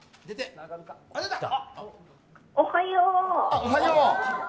おはよう！